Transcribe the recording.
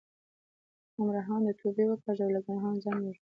ګمراهانو توبې وکاږئ او له ګناه ځان وژغورئ.